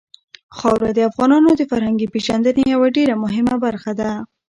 خاوره د افغانانو د فرهنګي پیژندنې یوه ډېره مهمه برخه ده.